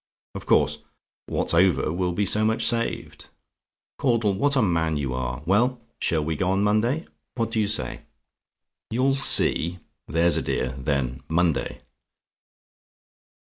Of course, what's over will be so much saved. Caudle, what a man you are! Well, shall we go on Monday? What do you say "YOU'LL SEE? "There's a dear. Then, Monday."